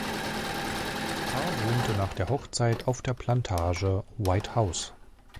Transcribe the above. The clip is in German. Das Paar wohnte nach der Hochzeit auf der Plantage White House.